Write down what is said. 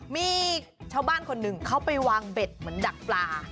มีชาวบ้านคนหนึ่งเขาไปวางเบ็ดเหมือนดักปลา